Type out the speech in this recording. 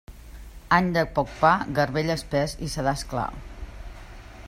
Any de poc pa, garbell espés i sedàs clar.